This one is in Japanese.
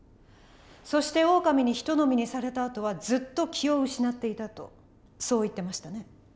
そしてオオカミにひと呑みにされたあとはずっと気を失っていたとそう言ってましたね？